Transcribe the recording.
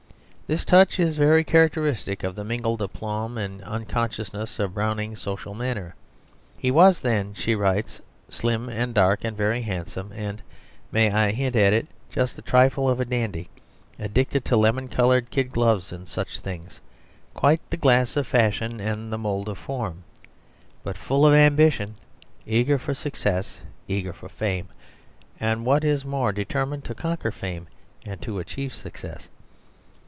This touch is very characteristic of the mingled aplomb and unconsciousness of Browning's social manner. "He was then," she writes, "slim and dark, and very handsome, and may I hint it? just a trifle of a dandy, addicted to lemon coloured kid gloves and such things, quite the glass of fashion and the mould of form. But full of 'ambition,' eager for success, eager for fame, and, what is more, determined to conquer fame and to achieve success."